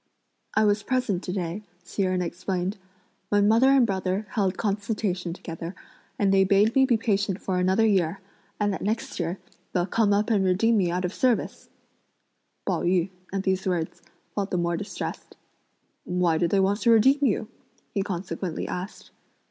"I was present to day," Hsi Jen explained, "when mother and brother held consultation together, and they bade me be patient for another year, and that next year they'll come up and redeem me out of service!" Pao yü, at these words, felt the more distressed. "Why do they want to redeem you?" he consequently asked.